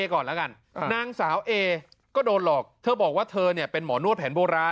ก่อนแล้วกันนางสาวเอก็โดนหลอกเธอบอกว่าเธอเนี่ยเป็นหมอนวดแผนโบราณ